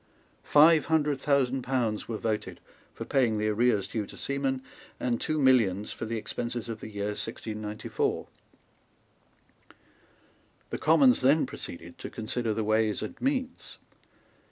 Five hundred thousand pounds were voted for paying the arrears due to seamen, and two millions for the expenses of the year 1694. The Commons then proceeded to consider the Ways and Means.